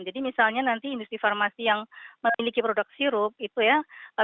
jadi misalnya nanti industri farmasi yang memiliki produk sirup itu ya